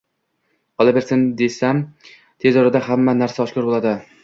Qolaversin, desam, tez orada hamma narsa oshkor bo`ladi